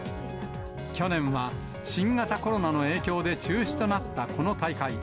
去年は新型コロナの影響で中止となったこの大会。